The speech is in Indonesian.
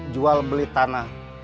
jual beli tanah